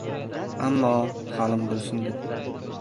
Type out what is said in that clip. Ammo, halim bo‘lsin deb